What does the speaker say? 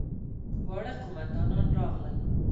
واړه قوماندان راغلل.